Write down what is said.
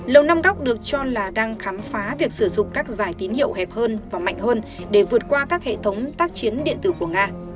lầu năm góc được cho là đang khám phá việc sử dụng các giải tín hiệu hẹp hơn và mạnh hơn để vượt qua các hệ thống tác chiến điện tử của nga